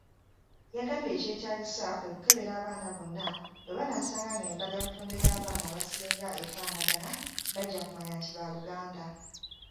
Yagambye ekyetaagisa kwe kukebera abaana bonna bwe banaasanga ng'endagabutonde y'abaana abasinga efaanagana bajja kumanya nti baaluganda.